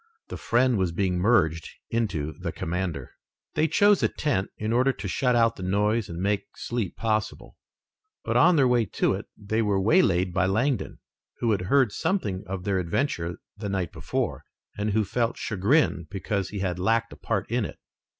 The friend was being merged into the commander. They chose a tent in order to shut out the noise and make sleep possible, but on their way to it they were waylaid by Langdon, who had heard something of their adventure the night before, and who felt chagrin because he had lacked a part in it.